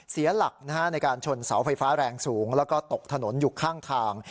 เสียหลักในการชนเสาไฟฟ้าแรงสูงแล้วก็ตกถนนอยู่ข้างทาง